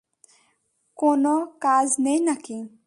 কোন কাজ নেই নাকি?